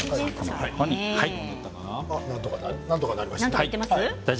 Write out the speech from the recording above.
なんとかなりました。